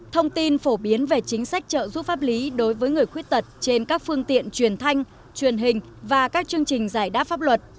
thông tin phổ biến về chính sách trợ giúp pháp lý đối với người khuyết tật trên các phương tiện truyền thanh truyền hình và các chương trình giải đáp pháp luật